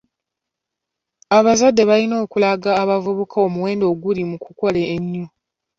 Abazadde balina okulaga abavubuka omuwendo oguli mu kukola ennyo.